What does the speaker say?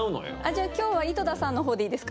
じゃあ今日は井戸田さんの方でいいですか？